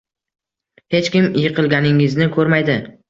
Hech kim yiqilganingizni ko’rmaydi